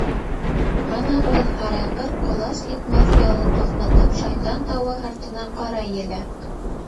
Ана ул, һарайғыр, ҡолас етмәҫ ялын туҙғытып Шайтан тауы һыртына ҡарай елә.